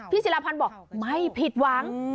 ศิลาพันธ์บอกไม่ผิดหวัง